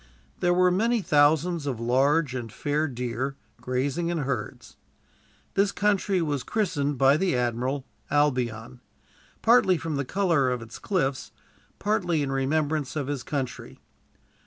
There were many thousands of large and fair deer, grazing in herds. This country was christened, by the admiral, Albion; partly from the color of its cliffs, partly in remembrance of his country.